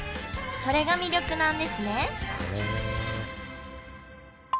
それが魅力なんですね